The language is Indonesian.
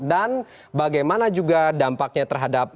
dan bagaimana juga dampaknya terhadap